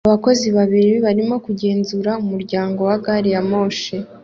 Abakozi babiri barimo kugenzura umuryango wa gari ya moshi